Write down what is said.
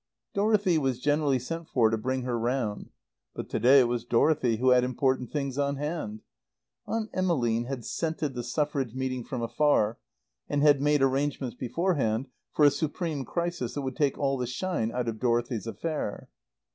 Dorothy was generally sent for to bring her round; but to day it was Dorothy who had important things on hand. Aunt Emmeline had scented the Suffrage meeting from afar, and had made arrangements beforehand for a supreme crisis that would take all the shine out of Dorothy's affair.